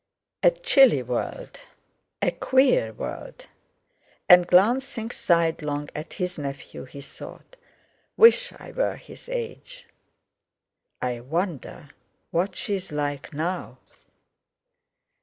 A chilly world! A queer world! And glancing sidelong at his nephew, he thought: "Wish I were his age! I wonder what she's like now!"